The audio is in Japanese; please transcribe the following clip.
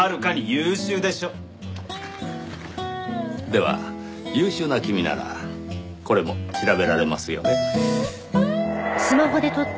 では優秀な君ならこれも調べられますよね？